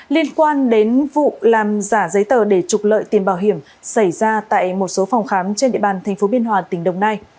liên quan đến vụ làm giả giấy tờ để trục lợi tiền bảo hiểm xảy ra tại một số phòng khám trên địa bàn tp biên hòa tỉnh đồng nai